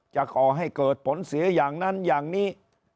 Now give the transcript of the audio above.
ก่อให้เกิดผลเสียอย่างนั้นอย่างนี้